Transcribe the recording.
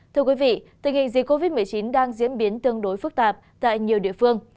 thưa quý vị tình hình dịch covid một mươi chín đang diễn biến tương đối phức tạp tại nhiều địa phương